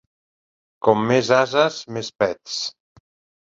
Com més ases, més pets.